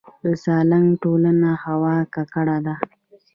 د سالنګ تونل هوا ککړه ده